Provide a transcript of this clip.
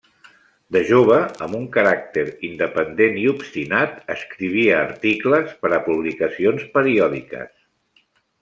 De jove, amb un caràcter independent i obstinat, escrivia articles per a publicacions periòdiques.